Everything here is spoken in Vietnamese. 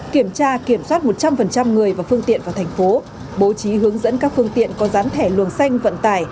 kiểm tra kiểm soát một trăm linh người và phương tiện vào thành phố bố trí hướng dẫn các phương tiện có gián thẻ luồng xanh vận tải